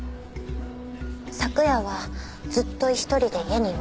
昨夜はずっと１人で家にいました。